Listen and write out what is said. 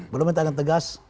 belum ditanya tegas